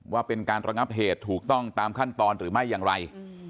ว่าเป็นการระงับเหตุถูกต้องตามขั้นตอนหรือไม่อย่างไร